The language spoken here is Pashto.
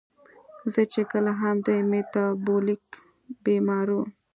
زۀ چې کله هم د ميټابالک بيمارو